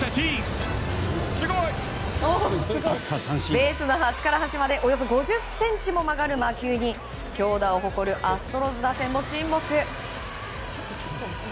ベースの端から端までおよそ５０ｃｍも曲がる魔球に強打を誇るアストロズ打線も沈黙。